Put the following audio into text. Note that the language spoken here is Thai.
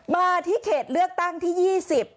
มาที่เขตเลือกตั้งที่๒๐